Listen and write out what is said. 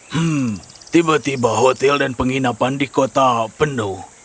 hmm tiba tiba hotel dan penginapan di kota penuh